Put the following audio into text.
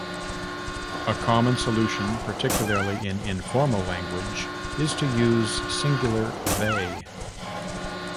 A common solution, particularly in informal language, is to use singular "they".